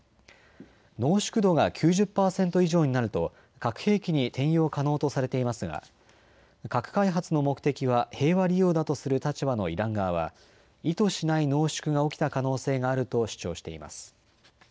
濃縮度が９０％以上になると核兵器に転用可能とされていますが核開発の目的は平和利用だとする立場のイラン側は意図しない濃縮が起きた可能性があると主張しています。